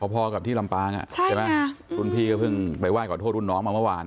พอกับที่ลำปางใช่ไหมรุ่นพี่ก็เพิ่งไปไห้ขอโทษรุ่นน้องมาเมื่อวาน